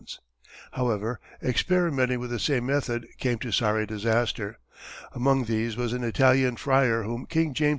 Others, however, experimenting with the same method came to sorry disaster. Among these was an Italian friar whom King James IV.